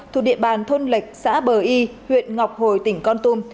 thuộc địa bàn thôn lệch xã bờ y huyện ngọc hồi tỉnh con tum